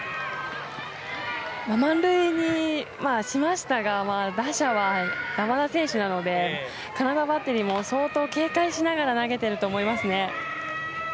満塁にしましたが打者は山田選手なのでカナダバッテリーも相当警戒しながら投げていると思いますね。